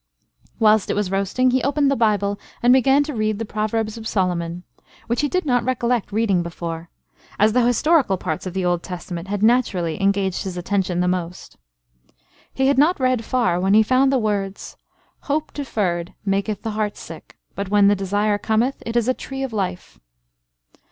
Whilst it was roasting, he opened the Bible, and began to read the Proverbs of Solomon, which he did not recollect reading before, as the historical parts of the Old Testament had naturally engaged his attention the most. He had not read far, when he found the words, "Hope deferred maketh the heart sick; but when the desire cometh, it is a tree of life."